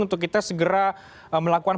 untuk kita segera melakukan